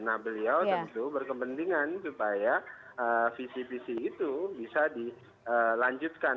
nah beliau tentu berkepentingan supaya visi visi itu bisa dilanjutkan